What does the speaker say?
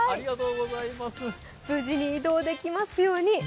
無事に移動できますように。